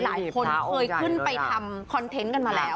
หลายคนเคยขึ้นไปทำคอนเทนต์กันมาแล้ว